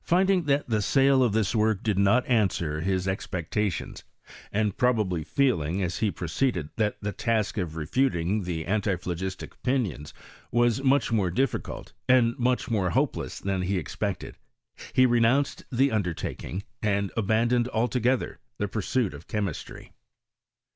141 ■3Riiding that the sale of this work did not answer his expectations, and probably feeling, as he proceeded, that the task of refuting the antiphlogistic opinions was much more difficult, and much more hopeless than he expected, he renounced the undertaking, and abandoned altogether the pursuit of chemistry.